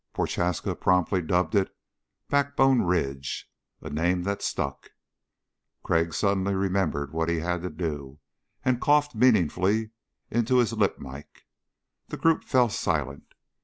Prochaska promptly dubbed it "Backbone Ridge," a name that stuck. Crag suddenly remembered what he had to do, and coughed meaningfully into his lip mike. The group fell silent.